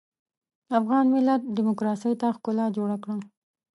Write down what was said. افغان ملت ډيموکراسۍ ته ښکلا جوړه کړه.